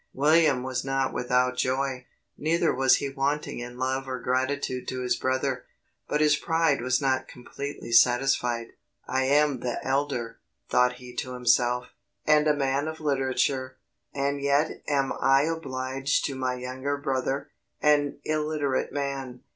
William was not without joy, neither was he wanting in love or gratitude to his brother; but his pride was not completely satisfied. "I am the elder," thought he to himself, "and a man of literature, and yet am I obliged to my younger brother, an illiterate man."